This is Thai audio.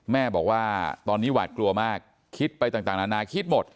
แม่บอกว่าตอนนี้หวาดกลัวมากคิดไปต่างนานาคิดหมด